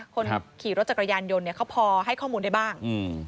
คนขีรถจักรยายารยนต์เขาพอให้ข้อมูลได้บ้าง